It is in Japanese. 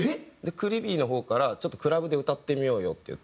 ＣＬＩＥＶＹの方から「ちょっとクラブで歌ってみようよ」って言って。